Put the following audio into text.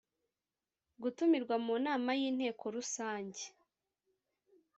gutumirwa mu nama y’inteko rusange